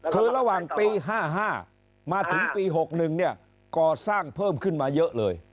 คือระหว่างปี๕๕มาถึงปี๖๑ก่อสร้างเพิ่มขึ้นมาเยอะเลย